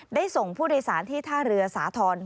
ได้ส่งผู้โดยสารที่ท่าเรือสาธรณ์